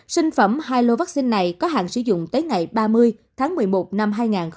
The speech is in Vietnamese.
sinh phẩm hai lô vaccine này có hàng sử dụng tới ngày ba mươi tháng một mươi một năm hai nghìn hai mươi